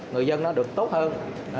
người dân nó được tốt hơn